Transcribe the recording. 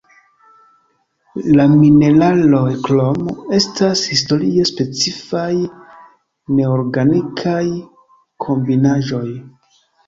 La mineraloj, krome, estas historie specifaj neorganikaj kombinaĵoj.